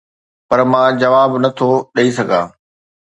پر مان جواب نه ٿو ڏئي سگهان.